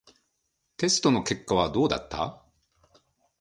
テストの結果はどうだった？